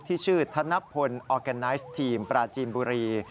ที่ชื่อธนพลออร์แกนไนซ์ทีมปราจีนบุรี